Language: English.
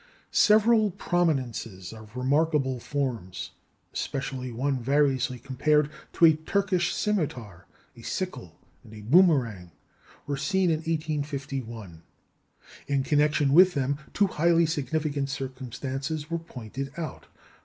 Several prominences of remarkable forms, especially one variously compared to a Turkish scimitar, a sickle, and a boomerang, were seen in 1851. In connection with them two highly significant circumstances were pointed out.